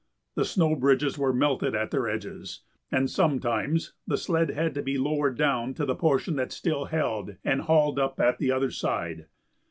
The snow bridges were melted at their edges, and sometimes the sled had to be lowered down to the portion that still held and hauled up at the other side.